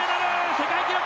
世界記録！